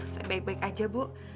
saya baik baik aja bu